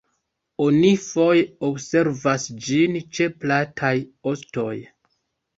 Oni foje observas ĝin ĉe plataj ostoj.